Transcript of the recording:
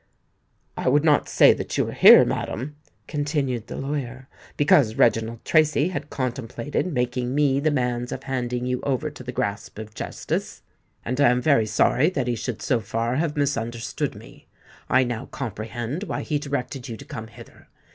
"I would not say that you were here, madam," continued the lawyer, "because Reginald Tracy had contemplated making me the means of handing you over to the grasp of justice; and I am sorry that he should so far have misunderstood me. I now comprehend why he directed you to come hither.